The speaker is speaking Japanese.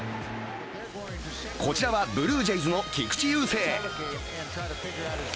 こちらは、ブルージェイズの菊池雄星。